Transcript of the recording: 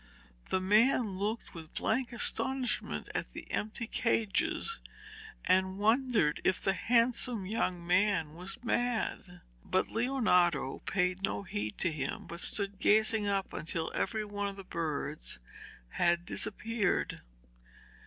The man looked with blank astonishment at the empty cages, and wondered if the handsome young man was mad. But Leonardo paid no heed to him, but stood gazing up until every one of the birds had disappeared.